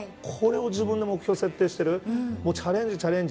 これを自分の目標に設定しているチャレンジ、チャレンジ。